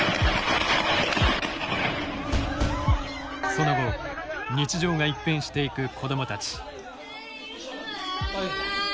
その後日常が一変していく子どもたち。